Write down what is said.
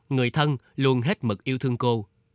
người thân luôn hết mực yêu thương cô